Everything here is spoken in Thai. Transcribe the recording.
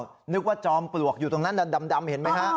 คุณนึกว่าจอมปลวกอยู่ทางนั้นดำเห็นไหมครับ